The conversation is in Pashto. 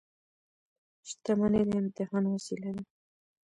• شتمني د امتحان وسیله ده.